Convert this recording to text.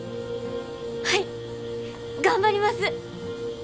はい頑張ります！